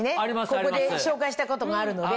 ここで紹介したことがあるので。